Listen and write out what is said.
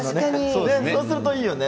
そうすると、いいよね。